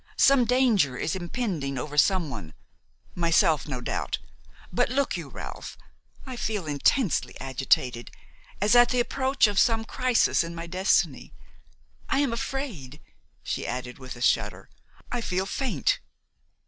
Some danger is impending over someone–myself, no doubt–but, look you, Ralph, I feel intensely agitated, as at the approach of a great crisis in my destiny. I am afraid," she added, with a shudder, "I feel faint."